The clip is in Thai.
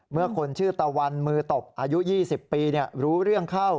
เมื่อคนชื่อตะวันมือตบอายุ๒๐ปีรู้เรื่องเข้า